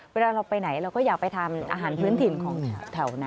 เวลาเราไปไหนเราก็อยากไปทานอาหารพื้นถิ่นของแถวนั้น